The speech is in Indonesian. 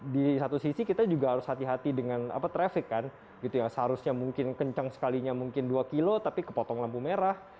di satu sisi kita juga harus hati hati dengan traffic kan gitu yang seharusnya mungkin kencang sekalinya mungkin dua kilo tapi kepotong lampu merah